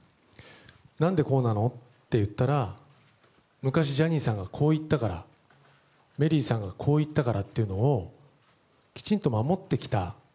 何でこうなの？って言ったら昔ジャニーさんがこう言ったからメリーさんがこう言ったからというのをきちんと守ってきた